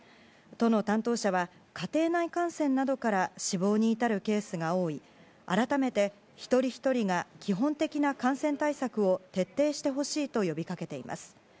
都の担当者は家庭内感染などから死亡に至るケースが多い改めて一人ひとりが基本的な感染対策を徹底してほしいと呼びかけています。